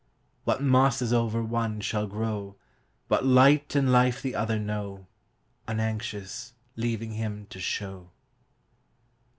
What mosses over one shall grow, What light and life the other know, Unanxious, leaving Him to show.